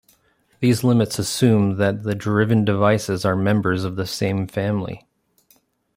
These limits assume that the driven devices are members of the same family.